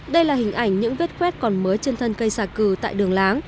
đây là hình ảnh những vết khoét còn mới trên thân cây xà cừ tại đường láng